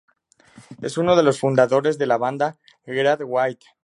Es uno de los fundadores de la banda Great White.